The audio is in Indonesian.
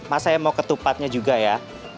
mas saya mau ketupatnya juga ya